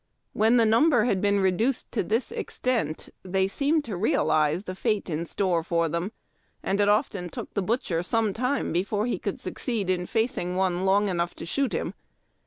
When the number had been reduced to this extent, they seemed to realize the fate in store for them, and it often took the butcher some time before he could succeed in facino one long enough to shoot him.